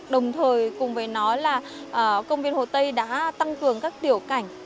đồng thời cùng với nói là công viên hồ tây đã tăng cường các tiểu cảnh